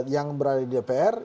yang berada di dpr